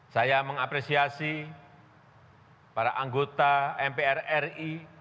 saya mengapresiasi para anggota mpr ri